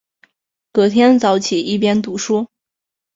隔天早起一边读书